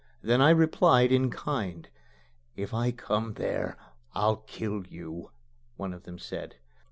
Then I replied in kind. "If I come there I'll kill you," one of them said.